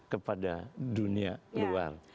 kepada dunia luar